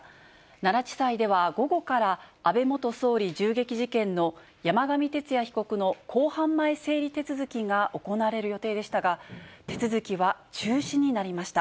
奈良地裁では、午後から安倍元総理銃撃事件の山上徹也被告の公判前整理手続きが行われる予定でしたが、手続きは中止になりました。